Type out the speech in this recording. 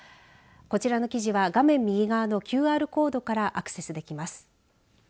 こちらの記事は画面右側のＱＲコードからアクセスできます。